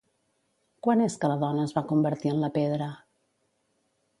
Quan és que la dona es va convertir en la pedra?